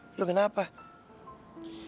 belum lagi kita banyak renaissance